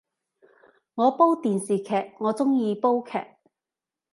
我煲電視劇，我鍾意煲劇